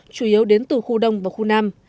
chủ yếu đến từ khu đông và khu nam